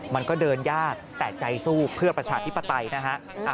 มันก็เดินยากแต่ใจสู้เพื่อประชาธิปไตยนะฮะ